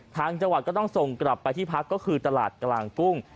ทางจังหวัดก็ต้องส่งกลับไปที่พักก็คือตลาดกลางกุ้ง